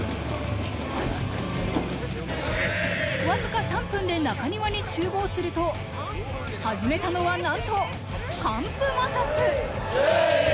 僅か３分で中庭に集合すると、始めたのは、なんと乾布摩擦。